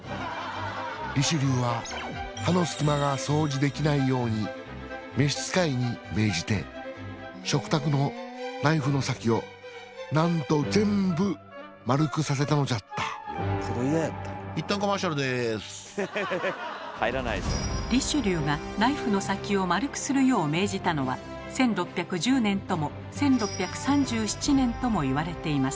リシュリューは歯のすき間が掃除できないように召し使いに命じて食卓のナイフの先をなんと全部丸くさせたのじゃったリシュリューがナイフの先を丸くするよう命じたのは１６１０年とも１６３７年とも言われています。